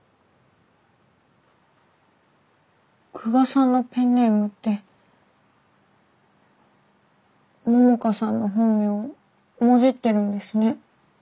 久我さんのペンネームって桃香さんの本名をもじってるんですね。